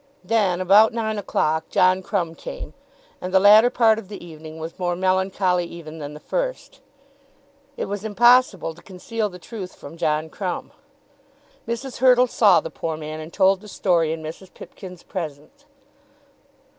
Then, about nine o'clock, John Crumb came; and the latter part of the evening was more melancholy even than the first. It was impossible to conceal the truth from John Crumb. Mrs. Hurtle saw the poor man and told the story in Mrs. Pipkin's presence.